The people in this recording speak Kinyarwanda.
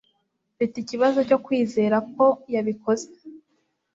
Mfite ikibazo cyo kwizera ko yabikoze.